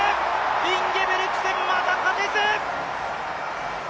インゲブリクセン、また勝てず！